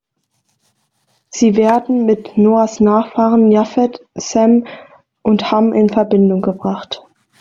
Sie werden mit Noahs Nachfahren Jafet, Sem und Ham in Verbindung gebracht.